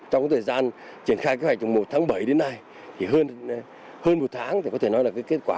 trong thời gian triển khai kế hoạch từ một tháng bảy đến nay thì hơn một tháng thì có thể nói là kết quả